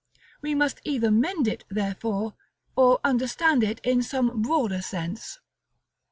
We must either mend it, therefore, or understand it in some broader sense.